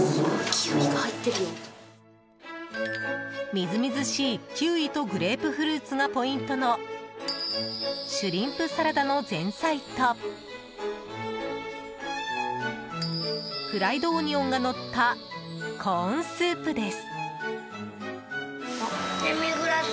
みずみずしいキウイとグレープフルーツがポイントのシュリンプサラダの前菜とフライドオニオンがのったコーンスープです。